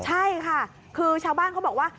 ใช่ค่ะคือชาวบ้านเขาบอกว่า